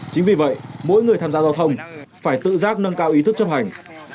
chính vì vậy mỗi người tham gia giao thông phải tự giác nâng cao ý thức chấp hành